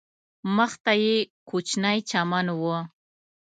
مخ ته یې کوچنی چمن و.